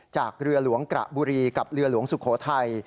จากเรือหลวงกระบุรีกับเรือหลวงสุโขทัย